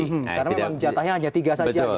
karena memang jatahnya hanya tiga saja